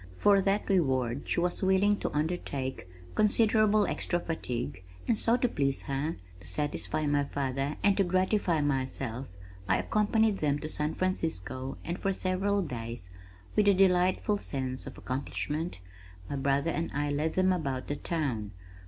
For that reward she was willing to undertake considerable extra fatigue and so to please her, to satisfy my father and to gratify myself, I accompanied them to San Francisco and for several days with a delightful sense of accomplishment, my brother and I led them about the town.